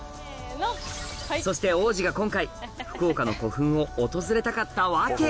そして王子が今回福岡の古墳を訪れたかった訳